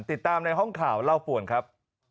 ติดตามในห้องข่าวเล่าป่วนครับ